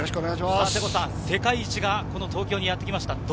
世界一が東京にやってきました。